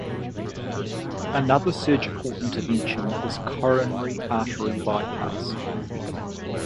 Another surgical intervention is coronary artery bypass.